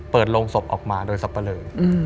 เปิดโลงศพออกมาโดยสัปเลอร์